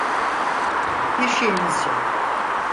Bir şeyimiz yok.